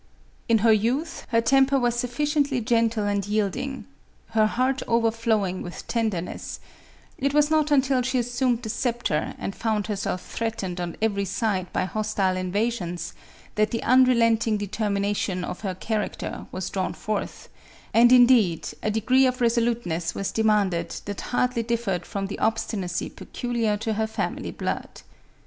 In her youth, her temper was sufficiently gentle and yielding, her heart overflowing with tenderness ; it was not until she assumed the sceptre, and found herself threatened on every side by hostile invasions, that the unrelent ing determination of her character was drawn forth, and, indeed, a degree of resoluteness was demanded that hardly differed from the obstinacy peculiar to her family blood.